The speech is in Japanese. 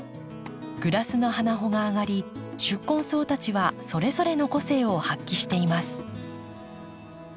グラスの花穂があがり宿根草たちはそれぞれの個性を発揮しています。